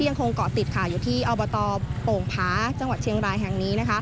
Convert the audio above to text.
ที่ยังคงเกาะติดค่ะอยู่ที่อบตโป่งผาจังหวัดเชียงไรแห่งนี้นะคะ